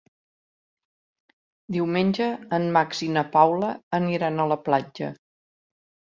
Diumenge en Max i na Paula aniran a la platja.